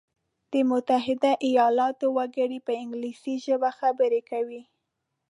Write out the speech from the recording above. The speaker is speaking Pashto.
د متحده ایلاتو وګړي په انګلیسي ژبه خبري کوي.